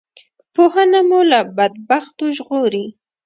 پوهنه مو له بدبختیو ژغوری